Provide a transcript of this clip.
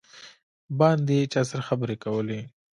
باندې یې چا سره خبرې کولې.